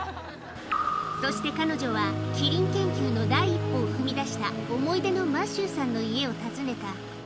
そして彼女はキリン研究の第一歩を踏み出した思い出のマシューさんの家を訪ねた。